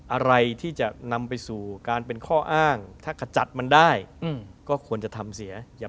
อะไรที่จะนำไปสู่การเป็นข้ออ้างถ้าขจัดมันได้ก็ควรจะทำเสียอย่า